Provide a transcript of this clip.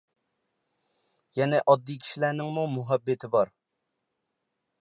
يەنە ئاددىي كىشىلەرنىڭمۇ مۇھەببىتى بار.